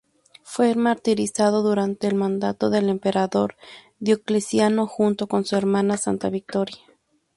Fue martirizado durante el mandato del emperador Diocleciano, junto con su hermana Santa Victoria.